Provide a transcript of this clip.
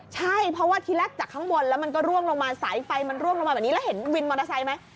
ใช่เพราะว่าที่แรกจากข้างบนแล้วมันก็ร่วงลงมาสายไฟมันร่วงลงมาแบบนี้แล้วเห็นวินมอเตอร์ไซค์ไหม